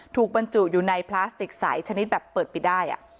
ถูกบรรจุอยู่ในพลาสติกใสชนิดแบบเปิดไปได้อ่ะ